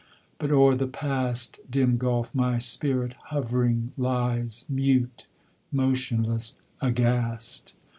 but o'er the Past (Dim gulf!) my spirit hovering lies Mute, motionless, aghast!